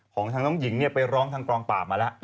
ของทางน้องหญิงไปร้องทางกองปราบมาแล้ว